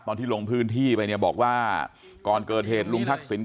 ตอนที่ลงพื้นที่ไปเนี่ยบอกว่าก่อนเกิดเหตุลุงทักษิณ